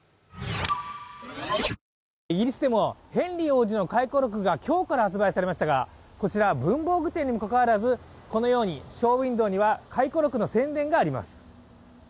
イギリスでもヘンリー王子の回顧録が今日から発売されましたがこちら、文房具店にもかかわらずこのようにショーウインドーには回顧録の宣伝があります。